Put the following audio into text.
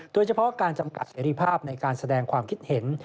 โดยเฉพาะการจำกัดเสรีภาพในการแสดงความคิดเห็น